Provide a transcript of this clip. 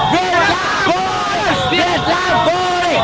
việt nam vui việt nam vui